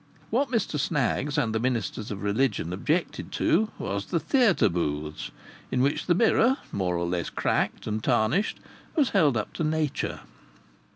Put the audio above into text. What Mr Snaggs and the ministers of religion objected to was the theatre booths, in which the mirror, more or less cracked and tarnished, was held up to nature.